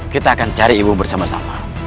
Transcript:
kita akan cari ibu bersama sama